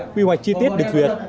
quy hoạch chi tiết được thuyệt